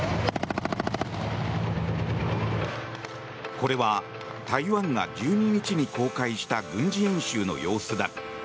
これは台湾が１２日に公開した軍事演習の様子だ。